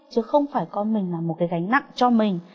chứ không phải coi mình là một cái gánh nặng cho mình